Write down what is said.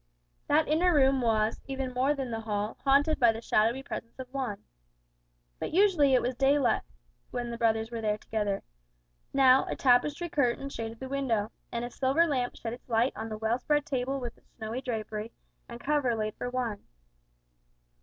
That inner room was, even more than the hall, haunted by the shadowy presence of Juan. But it was usually daylight when the brothers were there together. Now, a tapestry curtain shaded the window, and a silver lamp shed its light on the well spread table with its snowy drapery, and cover laid for one.